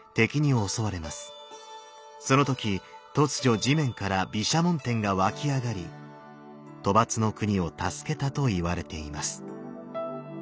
その時突如地面から毘沙門天が湧き上がり兜跋の国を助けたといわれています。